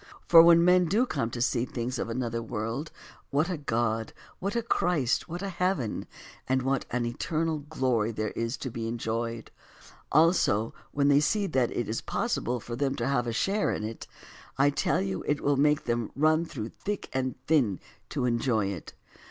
For when men do come to see the things of another world, what a God, what a Christ, what a heaven, and what an eternal glory there is to be enjoyed; also, when they see that it is possible for them to have a share in it, I tell you it will make them run through thick and thin to enjoy it.